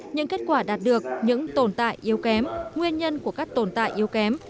những kết quả đạt được những tồn tại yếu kém nguyên nhân của các tồn tại yếu kém